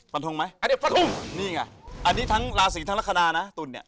ฟันทุ่งไหมฟันทุ่งนี่ไงอันนี้ทั้งราศีทั้งลักษณะนะตุ้นเนี่ย